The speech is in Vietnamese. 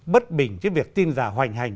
bất bình với việc tin già hoành hành